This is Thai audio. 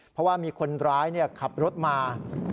เพราะว่ามีคนร้ายขับรถมา